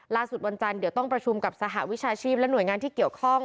วันจันทร์เดี๋ยวต้องประชุมกับสหวิชาชีพและหน่วยงานที่เกี่ยวข้อง